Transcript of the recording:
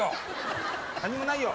何もないよ。